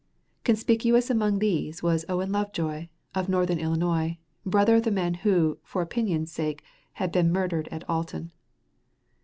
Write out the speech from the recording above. Conspicuous among these was Owen Lovejoy, of northern Illinois, brother of the man who, for opinion's sake, had been murdered at Alton.